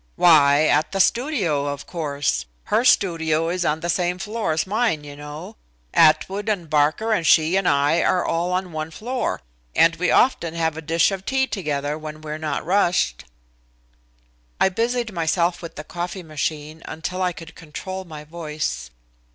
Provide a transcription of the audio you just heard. "Why, at the studio, of course. Her studio is on the same floor as mine, you know. Atwood and Barker and she and I are all on one floor, and we often have a dish of tea together when we are not rushed." I busied myself with the coffee machine until I could control my voice.